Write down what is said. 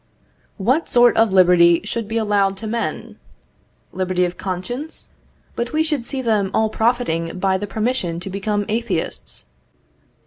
What sort of liberty should be allowed to men? Liberty of conscience? But we should see them all profiting by the permission to become atheists.